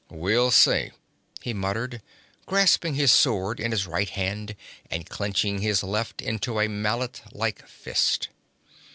'We'll see,' he muttered, grasping his sword in his right hand and clenching his left into a mallet like fist.